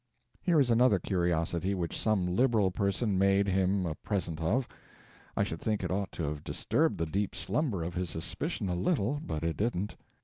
Here is another curiosity which some liberal person made him a present of. I should think it ought to have disturbed the deep slumber of his suspicion a little, but it didn't.